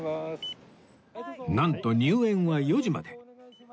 なんと入園は４時まで